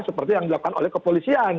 seperti yang dilakukan oleh kepolisian